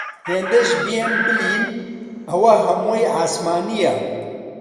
هێندەش بێن، بلین: ئەوە هەموەی عاسمانیە